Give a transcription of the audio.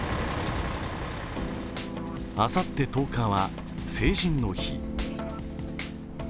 あさって１０日は成人の日。